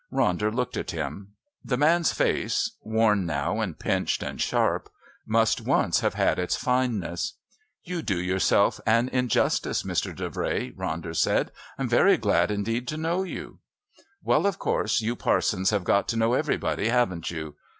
Ronder looked at him. The man's face, worn now and pinched and sharp, must once have had its fineness. "You do yourself an injustice, Mr. Davray," Ronder said. "I'm very glad indeed to know you." "Well, of course, you parsons have got to know everybody, haven't you?